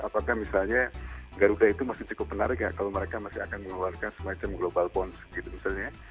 apakah misalnya garuda itu masih cukup menarik ya kalau mereka masih akan mengeluarkan semacam global bonds gitu misalnya ya